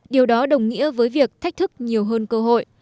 điều đó đồng nghĩa với việc thách thức nhiều hơn cơ hội